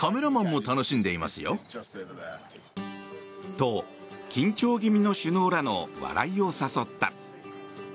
と、緊張気味の首脳らの笑いを誘った。